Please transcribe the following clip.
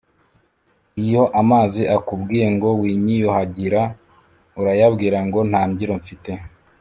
Iyo amazi akubwiye ngo winyiyuhagira ,urayabwira ngo nta mbyiro mfite